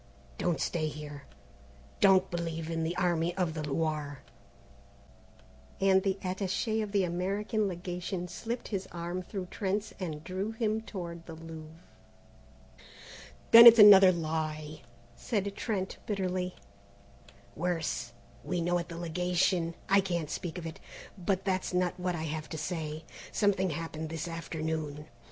Don't stay here, don't believe in the Army of the Loire:" and the attaché of the American Legation slipped his arm through Trent's and drew him toward the Louvre. "Then it's another lie!" said Trent bitterly. "Worse we know at the Legation I can't speak of it. But that's not what I have to say. Something happened this afternoon.